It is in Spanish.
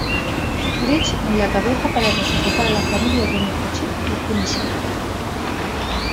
Bridge en la cabeza para resucitar a las familias de Microchip y Punisher.